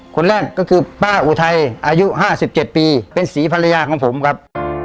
คนแรกก็คือป้าอุทัยอายุ๕๗ปีเป็นศรีภรรยาของผมครับ